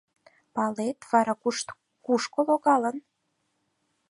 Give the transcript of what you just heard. Палет, вара кушко логалын?